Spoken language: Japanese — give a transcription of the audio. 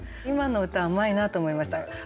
今の歌うまいなと思いました。